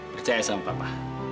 percaya sama papa